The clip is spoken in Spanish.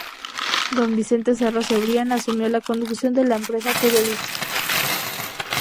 Don Vicente Cerro Cebrián asumió la conducción de la empresa periodística.